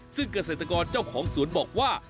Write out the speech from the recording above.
ซึ่งเกษตรกรเจ้าของสวนบอกว่า